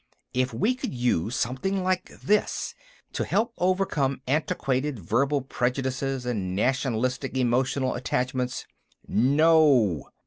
If we could use something like this to help overcome antiquated verbal prejudices and nationalistic emotional attachments...." "No!"